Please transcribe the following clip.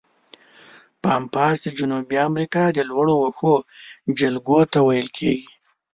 پامپاس د جنوبي امریکا د لوړو وښو جلګو ته ویل کیږي.